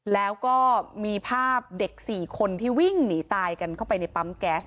แล้วก็มีภาพเด็ก๔คนที่วิ่งหนีตายกันเข้าไปในปั๊มแก๊ส